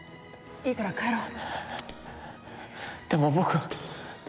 いいから帰るの。